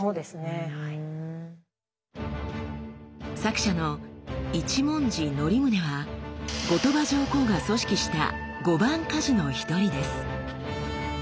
作者の一文字則宗は後鳥羽上皇が組織した「御番鍛冶」の一人です。